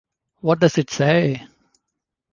What does it say?